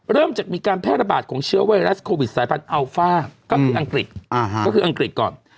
เริ่มจากมีการแพร่ระบาดของเชื้อไวรัสโควิดสายพันธุอัลฟ่าก็คืออังกฤษก็คืออังกฤษก่อน